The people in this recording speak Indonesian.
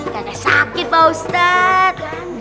gak sakit pak ustadz